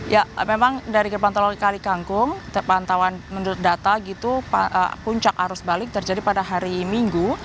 ya memang dari gerbang tol kalikangkung pantauan menurut data gitu puncak arus balik terjadi pada hari minggu